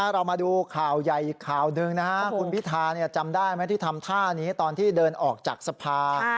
เรามาดูข่าวใหญ่อีกข่าวหนึ่งคุณพิธาจำได้ไหมที่ทำท่านี้ตอนที่เดินออกจากสภา